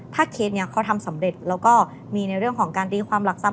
ถ้าเคสนี้เขาทำสำเร็จแล้วก็มีในเรื่องของการตีความหลักทรัพ